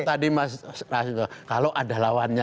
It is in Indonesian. tadi mas rasidah kalau ada lawannya